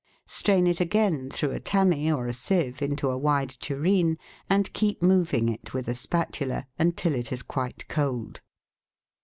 Strain it again through a tammy or a sieve into a wide tureen, and keep moving it with a spatula until it is quite cold.